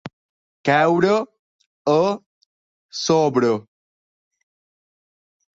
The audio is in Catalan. Caure a sobre.